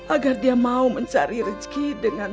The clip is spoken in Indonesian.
agar dia mau mencari rezeki dengan